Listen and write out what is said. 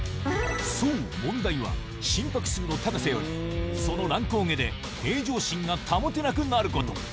そう、問題は心拍数の高さより、その乱高下で平常心が保てなくなること。